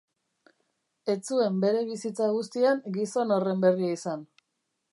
Ez zuen bere bizitza guztian gizon horren berri izan.